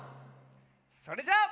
それじゃあ。